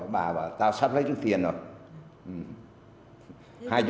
bà bảo tao sắp lấy được tiền rồi